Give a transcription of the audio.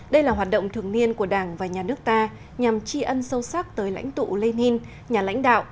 đây là hoạt động thường niên của đảng và nhà nước ta nhằm tri ân sâu sắc tới lãnh tụ lenin nhà lãnh đạo